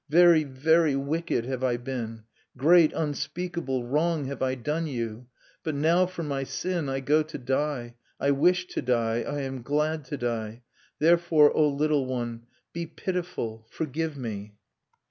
Very, very wicked have I been; great unspeakable wrong have I done you! But now for my sin I go to die. I wish to die; I am glad to die! Therefore, O little one, be pitiful! forgive me!"